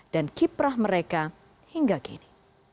dan kiprah mereka hingga kini